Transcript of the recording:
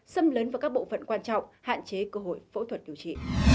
xâm lấn vào các bộ phận quan trọng hạn chế cơ hội phẫu thuật điều trị